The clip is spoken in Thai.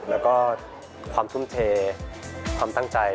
แล้วก็ความทุ่มเทความตั้งใจ